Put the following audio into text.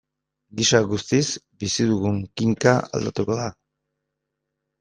Gisa guztiz, bizi dugun kinka aldatuko da.